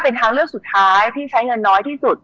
เป็นทางเลือกสุดท้ายที่ใช้เงินน้อยที่สุด